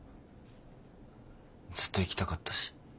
ずっと行きたかったし。